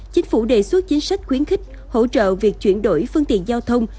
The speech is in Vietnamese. chính phủ đề xuất chính sách khuyến khích hỗ trợ việc chuyển đổi phương tiện giao thông